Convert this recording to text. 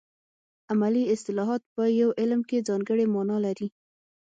علمي اصطلاحات په یو علم کې ځانګړې مانا لري